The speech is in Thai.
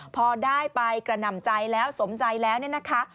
พอได้ไปกระหน่ำใจแล้วสมใจแล้วเนี่ยนะคะ